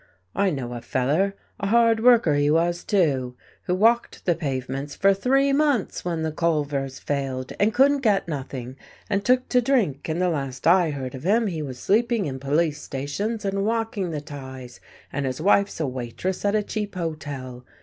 I know a feller a hard worker he was, too who walked the pavements for three months when the Colvers failed, and couldn't get nothing, and took to drink, and the last I heard of him he was sleeping in police stations and walking the ties, and his wife's a waitress at a cheap hotel.